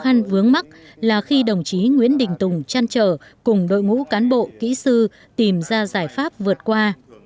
khăn vướng mắt là khi đồng chí nguyễn đình tùng chăn trở cùng đội ngũ cán bộ kỹ sư tìm ra giải pháp vượt qua